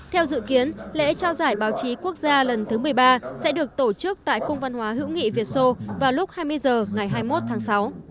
theo dự kiến lễ trao giải báo chí quốc gia lần thứ một mươi ba sẽ được tổ chức tại cung văn hóa hữu nghị việt sô vào lúc hai mươi h ngày hai mươi một tháng sáu